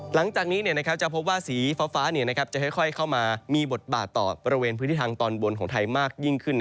หลังจากนี้จะพบว่าสีฟ้าจะค่อยเข้ามามีบทบาทต่อบริเวณพื้นที่ทางตอนบนของไทยมากยิ่งขึ้น